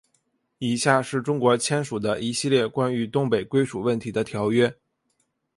以下是中国签署的一系列关于东北归属问题的条约。